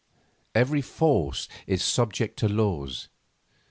Every force is subject to laws.